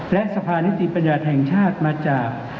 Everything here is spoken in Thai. และสภานิติบัญญัติแห่งชาติมาจาก